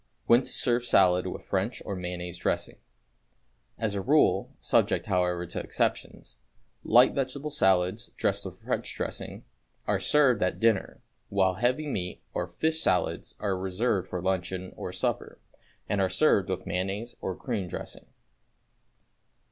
=When to Serve Salads with French or Mayonnaise Dressing.= As a rule, subject, however, to exceptions, light vegetable salads, dressed with French dressing, are served at dinner; while heavy meat or fish Salads are reserved for luncheon, or supper, and are served with mayonnaise or cream dressing.